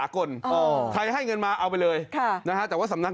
ก็ลองฝืนจับ